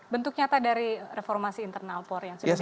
bentuk nyata dari reformasi internal polri yang sudah dibuat